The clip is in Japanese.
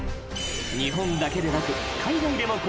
［日本だけでなく］